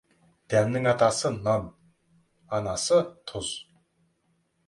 Дәмнің атасы — нан, анасы — тұз.